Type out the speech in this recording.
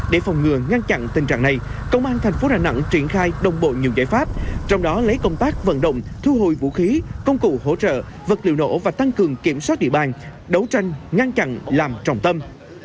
để phòng ngừa ngăn chặn tình trạng này công an thành phố đà nẵng triển khai đồng bộ nhiều giải pháp trong đó lấy công tác vận động thu hồi vũ khí công cụ hỗ trợ vật liệu nổ và tăng cường kiểm soát địa bàn đấu tranh ngăn chặn làm trọng tâm